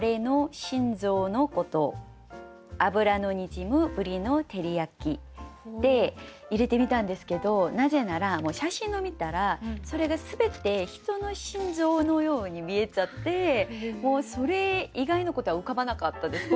ではまずカンちゃん。って入れてみたんですけどなぜなら写真を見たらそれが全て人の心臓のように見えちゃってもうそれ以外のことは浮かばなかったです